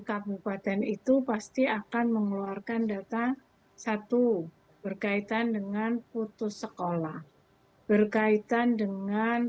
kabupaten itu pasti akan mengeluarkan data satu berkaitan dengan putus sekolah berkaitan dengan